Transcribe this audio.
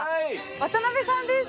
渡辺さんですか？